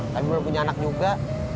tapi belum punya anak juga